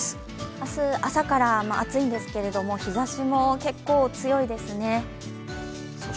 明日、朝から暑いんですけど、日ざしも結構強いですね。